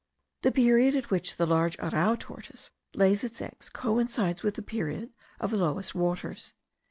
The period at which the large arrau tortoise lays its eggs coincides with the period of the lowest waters.